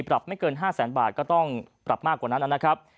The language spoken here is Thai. ไม่เกิน๕แสนบาทก็ต้องปรับมากกว่านั้นนะครับ